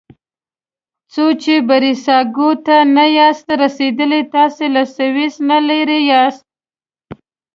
څو چې بریساګو ته نه یاست رسیدلي تاسي له سویس نه لرې یاست.